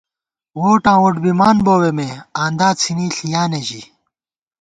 ووٹاں وُٹ بِمانبووے مے ، آندا څِھنی ݪِیانے ژِی